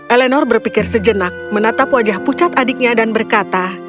elenor berpikir sejenak menatap wajah pucat adiknya dan berkata